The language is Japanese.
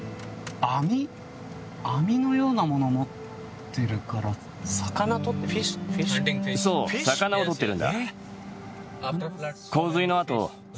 網のようなものを持っているから魚を取っている。